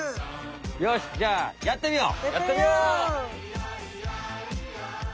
よしじゃあやってみよう！